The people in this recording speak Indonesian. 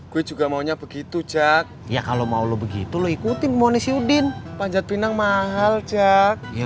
gue juga maunya begitu jack ya kalau mau begitu lo ikutin monis yudin panjat pinang mahal jack ya